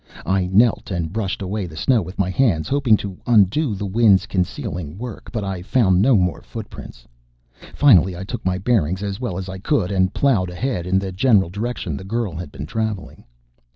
I knelt and brushed away the snow with my hands, hoping to undo the wind's concealing work. But I found no more footprints. Finally I took my bearings as well as I could and ploughed ahead in the general direction the girl had been traveling.